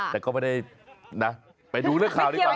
แต่ก็ไม่ได้นะไปดูเรื่องข่าวดีกว่า